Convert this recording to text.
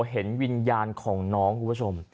เห็นวิญญาณของน้องคุณผู้ชม